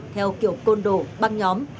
theo kiểu côn đồ băng nhóm